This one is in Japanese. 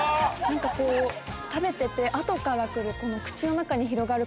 何かこう食べてて後から来る。